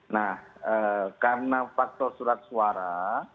nah karena faktor surat suara